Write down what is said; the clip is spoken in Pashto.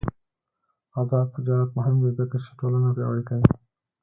آزاد تجارت مهم دی ځکه چې ټولنه پیاوړې کوي.